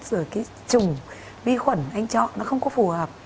rồi cái chủng vi khuẩn anh chọn nó không có phù hợp